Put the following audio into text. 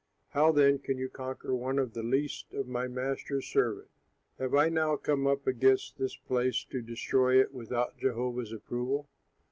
How then can you conquer one of the least of my master's servants? Have I now come up against this place to destroy it without Jehovah's approval?